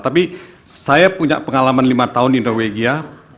tapi saya punya pengalaman lima tahun di norwegia